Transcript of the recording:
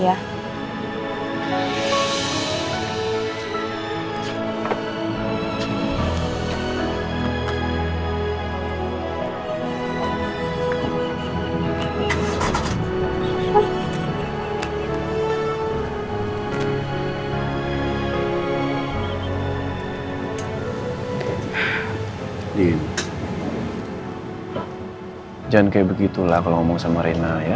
hai jangan kayak begitulah ngomong sama rina ya